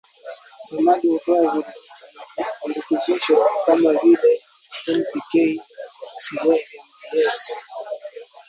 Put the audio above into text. Samadi hutoa virutubisho kama vile N P K Ca Mg S